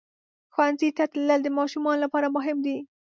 ښوونځي ته تلل د ماشومانو لپاره مهم دي.